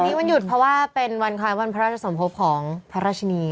วันนี้วันหยุดเพราะว่าเป็นวันคล้ายวันพระราชสมภพของพระราชนี